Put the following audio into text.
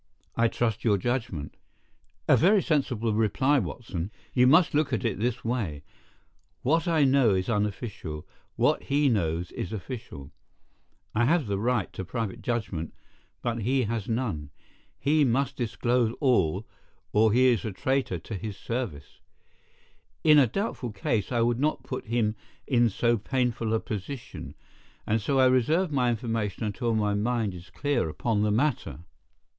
"I trust your judgment." "A very sensible reply, Watson. You must look at it this way: what I know is unofficial, what he knows is official. I have the right to private judgment, but he has none. He must disclose all, or he is a traitor to his service. In a doubtful case I would not put him in so painful a position, and so I reserve my information until my own mind is clear upon the matter."